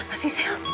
apa sih sel